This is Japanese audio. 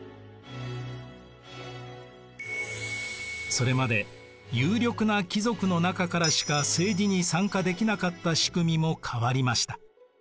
それまで有力な貴族の中からしか政治に参加できなかった仕組みも変わりました。